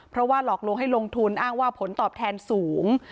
เพราะว่าหลอกลวงให้ลงทุนอ้างว่าผลตอบแทนสูง